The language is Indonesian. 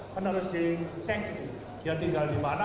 karena harus di cek dia tinggal di mana